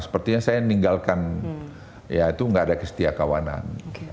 sepertinya saya ninggalkan ya itu nggak ada kesetiakawanan